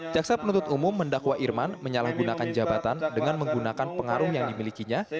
jaksa penuntut umum mendakwa irman menyalahgunakan jabatan dengan menggunakan pengaruh yang dimilikinya